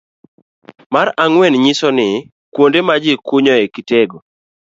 Mar ang'wen nyiso ni; A. Kuonde ma ji kunyoe kitego